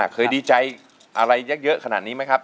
เคยดีใจอะไรเยอะขนาดนี้ไหมครับ